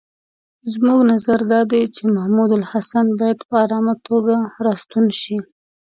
زموږ نظر دا دی چې محمودالحسن باید په آرامه توګه را ستون شي.